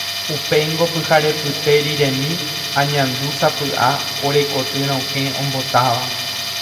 Upéingo pyharepyte riremi añandúsapy'a ore koty rokẽ ombotáva.